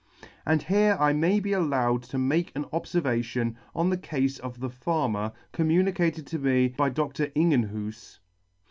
And here I may be allowed to make an obferva tion on the cafe of the farmer, communicated to me by Dr. Ingen houfz.